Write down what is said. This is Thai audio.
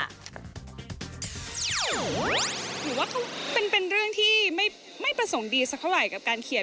หนูว่าเป็นเรื่องที่ไม่ประสงค์ดีสักเท่าไหร่กับการเขียน